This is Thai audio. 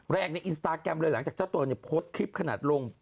แรงในอินสตาแกรมเลยหลังจากเจ้าตัวเนี่ยโพสต์คลิปขนาดลง